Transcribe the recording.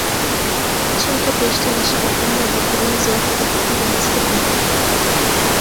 چونکە پێشتر لە شەڕەکاندا بەرگریان زیاتر دەکرد و بەهێزتر بوون